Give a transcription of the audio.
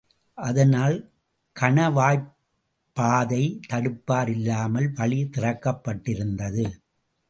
அதனால் கணவாய்ப்பாதை தடுப்பார் இல்லாமல் வழி திறக்கப் பட்டிருந்தது.